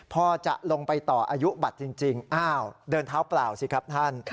พอจะลงไปต่ออายุบัตรจริงอ้าวเดินเท้าเปล่าสิครับท่าน